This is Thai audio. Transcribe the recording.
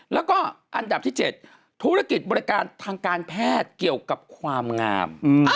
แล้วก็อันดับที่๗ธุรกิจบริการทางการแพทย์เกี่ยวกับความงาม